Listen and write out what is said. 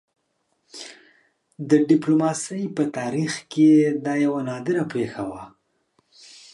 د ډيپلوماسۍ په تاریخ کې دا یوه نادره پېښه وه.